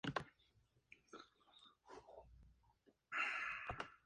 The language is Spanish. Posteriormente se anunciaron nombres como Lost Prophets, The Blackout, El Chojin entre otros.